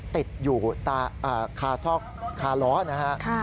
ติดอยู่ตาคาซอกคาล้อนะครับ